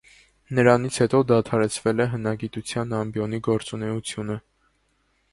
Նրանից հետո դադարեցվել է հնագիտության ամբիոնի գործունեությունը։